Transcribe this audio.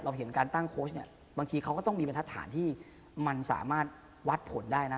เห็นการตั้งโค้ชเนี่ยบางทีเขาก็ต้องมีบรรทัศน์ที่มันสามารถวัดผลได้นะ